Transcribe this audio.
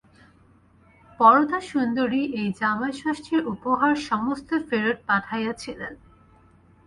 বরদাসুন্দরী এই জামাইষষ্ঠীর উপহার সমস্ত ফেরত পাঠাইয়াছিলেন।